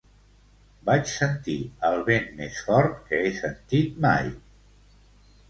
Vaig sentir el vent més fort que he sentit mai.